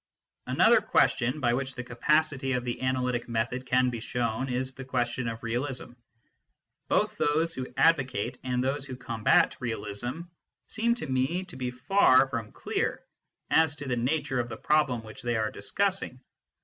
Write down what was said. Another question by which the capacity of the analytic method can be shown is the question of realism. Both those who advocate and those who combat realism seem to me to be far from clear as to the nature of the problem which they are discussing.